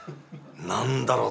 「何だろう